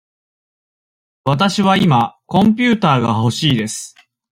わたしは今コンピューターがほしいです。